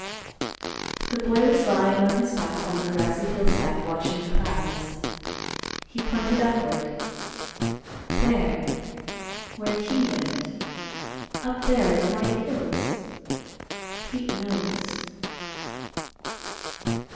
The boy was lying on his back on the grassy hillside watching the clouds. He pointed upward, "There, where he went; up there in the white hills. Pete knows."